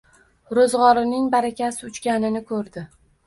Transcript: Roʻzgʻorining barakasi uchganini koʻrdi.